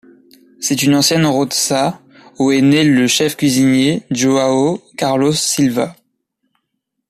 C'est une ancienne roça, où est né le chef cuisinier João Carlos Silva.